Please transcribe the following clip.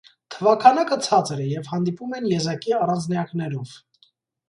Թվաքանակը ցածր է և հանդիպում են եզակի առանձնյակներով։